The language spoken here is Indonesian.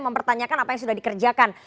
mempertanyakan apa yang sudah dikerjakan